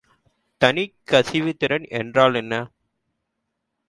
தனிக் கசிவுத்திறன் என்றால் என்ன?